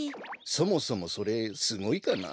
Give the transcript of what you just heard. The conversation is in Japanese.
そもそもそれすごいかな？